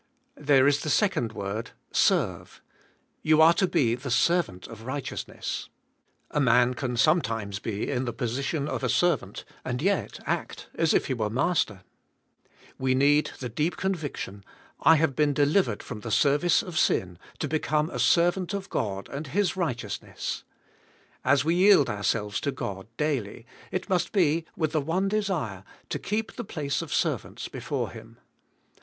There is the second word, serve* You are to be the servant of righteousness. A man can sometimes be in the position of a servant, and yet act as if he were master. We need the deep conviction, I have been delivered from the service of sin to become a servant of God and His righteousness. As we yield ourselves to God daily it must be with the one desire, to keep the place of servants before Him.